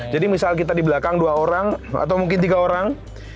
misal kita di belakang dua orang atau mungkin tiga orang